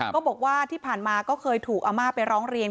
ก็บอกว่าที่ผ่านมาก็เคยถูกอาม่าไปร้องเรียน